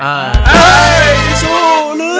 ชู้